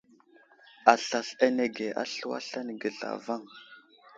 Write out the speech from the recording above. Aslasl anege a slu aslane ge zlavaŋ.